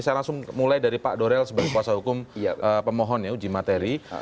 saya langsung mulai dari pak dorel sebagai kuasa hukum pemohon ya uji materi